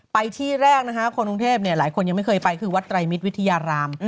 ไปที่แรกนะคะคนกรุงเทพหลายคนยังไม่เคยไปคือวัดไรมิตวิทยาราม